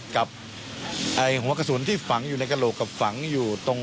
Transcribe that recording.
กับหัวกระสุนที่ฝังอยู่ในกระโหลกกับฝังพนักบ่อกั้น